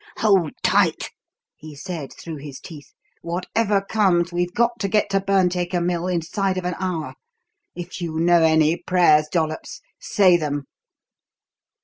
"Hold tight!" he said, through his teeth. "Whatever comes, we've got to get to Burnt Acre Mill inside of an hour. If you know any prayers, Dollops, say them."